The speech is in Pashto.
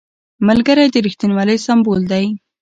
ملګری د رښتینولۍ سمبول دی